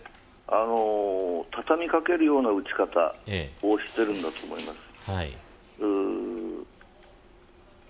たたみ掛けるような撃ち方をしているんだと思います。